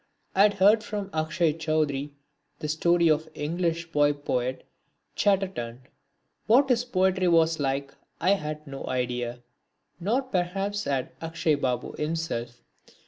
I had heard from Akshay Chowdhury the story of the English boy poet Chatterton. What his poetry was like I had no idea, nor perhaps had Akshay Babu himself.